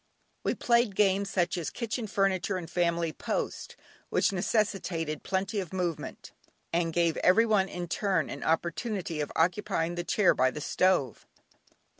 We played games such as "Kitchen Furniture" and "Family Post" which necessitated plenty of movement, and gave every one in turn an opportunity of occupying the chair by the stove.